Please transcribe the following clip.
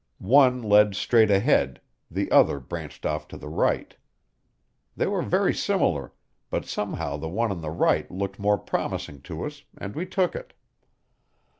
One led straight ahead; the other branched off to the right. They were very similar, but somehow the one on the right looked more promising to us, and we took it.